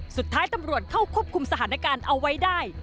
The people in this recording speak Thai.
สุดท้ายตำรวจเข้าควบคุมสถานการณ์เอาไว้ได้